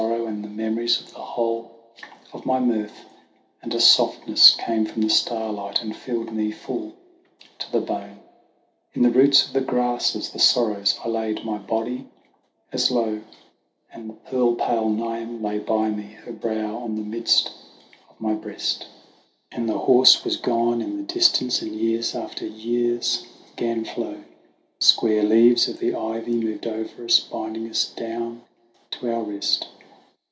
I. — K 130 THE WANDERINGS OF OISIN and the memories of the whole of my mirth, And a softness came from the starlight and filled me full to the bone. In the roots of the grasses, the sorrels, I laid my body as low ; And the pearl pale Niamh lay by me, her brow on the midst of my breast ; And the horse was gone in the distance, and years after years 'gan flow ; Square leaves of the ivy moved over us, bind ing us down to our rest.